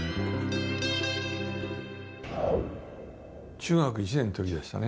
中学１年の時でしたね。